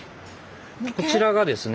こちらがですね